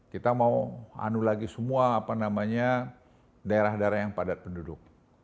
kita mau anu lagi semua apa namanya daerah daerah yang padat penduduk